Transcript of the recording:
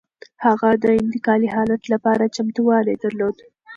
هغه د انتقالي حالت لپاره چمتووالی درلود.